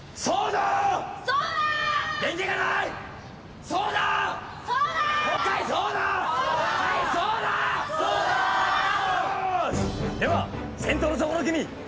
そうだー！